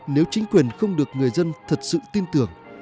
nếu chính quyền không được người dân thật sự tin tưởng